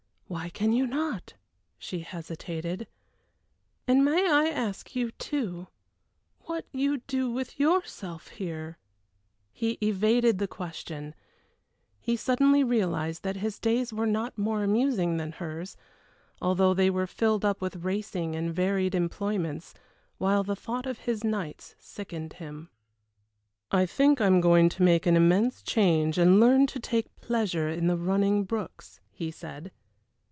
"Why can you not?" She hesitated. "And may I ask you, too, what you do with yourself here?" He evaded the question; he suddenly realized that his days were not more amusing than hers, although they were filled up with racing and varied employments while the thought of his nights sickened him. "I think I am going to make an immense change and learn to take pleasure in the running brooks," he said.